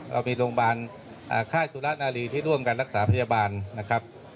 เรามีโรงพยาบาลค่ายสุรนารีที่ร่วมกันรักษาพยาบาลนะครับ